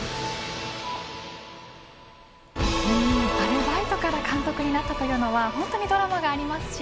アルバイトから監督になったというのは本当にドラマがありますし